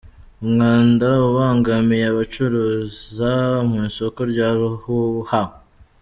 Umwanda ubangamiye abacururiza mu isoko rya Ruhuha